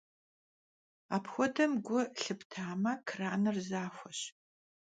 Apxuedem gu lhıptame, kranır zexueş'.